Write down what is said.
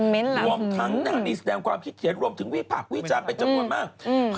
บ่องทั้งหน้านี้แสดงความขี้เขียนรวมถึงวิผักวิจารณ์เป็นจำนวนมาก